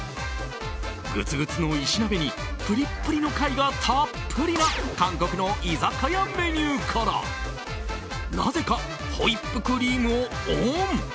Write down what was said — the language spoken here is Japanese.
グツグツの石鍋にプリップリの貝がたっぷりな韓国の居酒屋メニューからなぜかホイップクリームをオン？